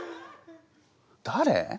誰？